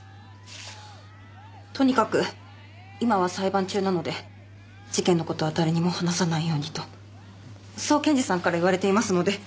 とにかく今は裁判中なので事件の事は誰にも話さないようにとそう検事さんから言われていますので。